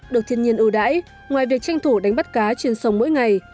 được thiên nhiên ưu đãi ngoài việc tranh thủ đánh bắt cá trên sông mỗi ngày